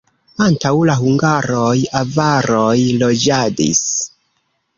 Antaŭ la hungaroj avaroj loĝadis.